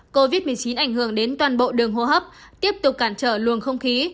covid một mươi chín ảnh hưởng đến toàn bộ đường hô hấp tiếp tục cản trở luồng không khí